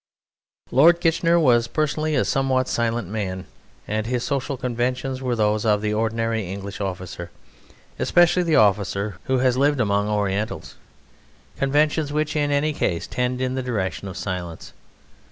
Lord Kitchener was personally a somewhat silent man; and his social conventions were those of the ordinary English officer, especially the officer who has lived among Orientals conventions which in any case tend in the direction of silence.